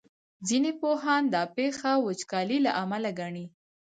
ځینې پوهان دا پېښه وچکالۍ له امله ګڼي.